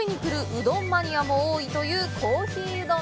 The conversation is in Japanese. うどんマニアも多いという「コーヒーうどん」